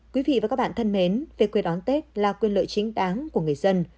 quý vị và các bạn thân mến về quê đón tết là quyền lợi chính đáng của người dân